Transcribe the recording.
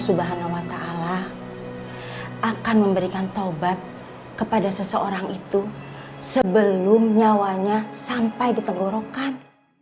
subhanahuwata'ala akan memberikan taubat kepada seseorang itu sebelum nyawanya sampai di tenggorokan